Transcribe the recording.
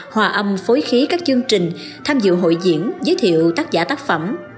hòa âm phối khí các chương trình tham dự hội diễn giới thiệu tác giả tác phẩm